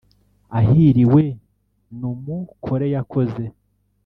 ahiriwe nu mukore yakoze